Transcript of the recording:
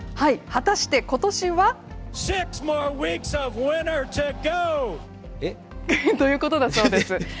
果たしてことしは？ということだそうです。